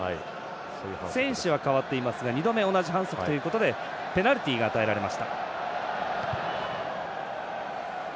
選手は代わっていますが２度目、同じ反則ということでペナルティが与えられました。